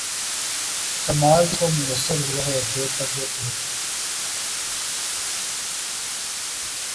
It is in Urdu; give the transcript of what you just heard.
کمال کس کو میسر ہوا ہے بے تگ و دو